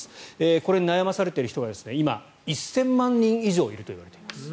これに悩まされている方が今、１０００万人以上いるといわれています。